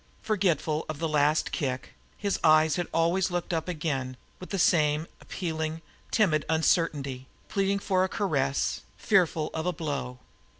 Forgetful of the last kick his eyes had always looked up at life again with the same appealing, timid uncertainty, pleading for a caress, fearful of a blow.